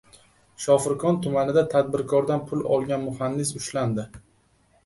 Shofirkon tumanida tadbirkordan pul olgan muhandis ushlandi